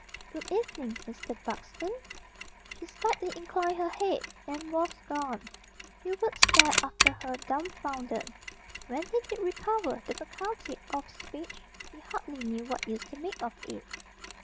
"Good evening, Mister Buxton." She slightly inclined her head and was gone. Hubert stared after her dumfounded. When he did recover the faculty of speech he hardly knew what use to make of it.